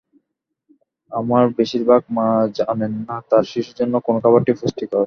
আমাদের বেশির ভাগ মা-ই জানেন না, তাঁর শিশুর জন্য কোন খাবারটি পুষ্টিকর।